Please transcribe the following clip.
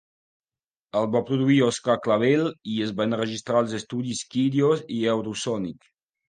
El va produir Oscar Clavel i es va enregistrar als estudis Kirios i Eurosonic.